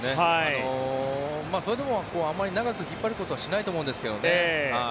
それでもあまり長く引っ張ることはしないと思うんですけどね。